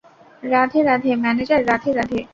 Radhe, Radhe, manager, Radhe, Radhe.